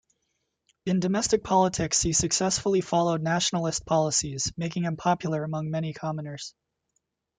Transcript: In domestic politics he successfully followed nationalist policies, making him popular among many commoners.